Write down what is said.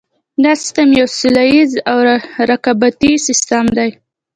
دا سیستم یو سیالیز او رقابتي سیستم دی.